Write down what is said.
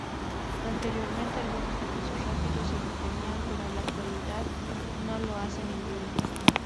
Anteriormente algunos servicios rápidos se detenían, pero en la actualidad no lo hace ninguno.